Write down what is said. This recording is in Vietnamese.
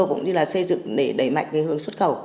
cũng như là xây dựng để đẩy mạnh cái hướng xuất khẩu